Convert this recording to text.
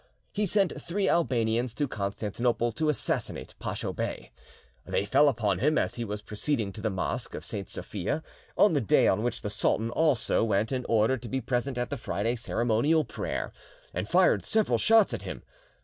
He sent three Albanians to Constantinople to assassinate Pacho Bey. They fell upon him as he was proceeding to the Mosque of Saint Sophia, on the day on which the sultan also went in order to be present at the Friday ceremonial prayer, and fired several shots at him.